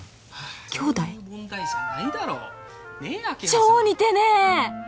超似てねえ！